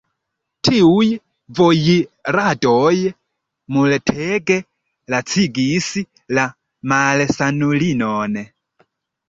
Tiuj vojiradoj multege lacigis la malsanulinon.